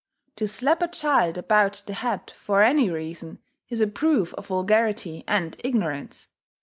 To slap a child about the head, for any reason, is a proof of vulgarity and ignorance.